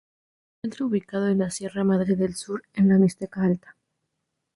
Se encuentra ubicado en la Sierra Madre del Sur, en la Mixteca Alta.